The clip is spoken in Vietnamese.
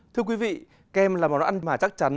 thưa quý vị kem là món ăn mà chắc chắn